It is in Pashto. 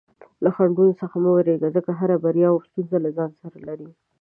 له خنډونو څخه مه ویریږه، ځکه هره بریا یوه ستونزه له ځان سره لري.